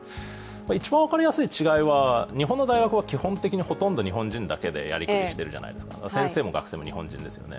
一番分かりやすい違いは、日本の大学はほとんど日本人だけでやりくりしているじゃないですか、先生も学生も日本人ですよね。